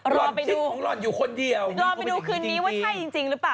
รอไปดูคืนนี้ว่าใช่จริงหรือเปล่า